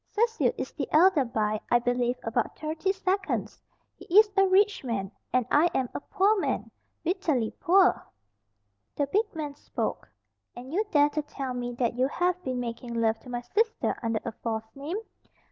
Cecil is the elder by, I believe, about thirty seconds. He is a rich man, and I am a poor man bitterly poor." The big man spoke. "And you dare to tell me that you have been making love to my sister under a false name?